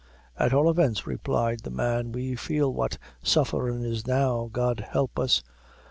"At all events," replied the man, "we feel what sufferin' is now, God help us!